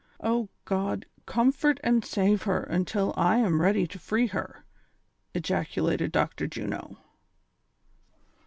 O God, comfort and save her until I am ready to free her I " ejaculated Dr. Juno.